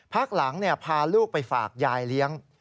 พักหลังพาลูกไปฝากยายเลี้ยง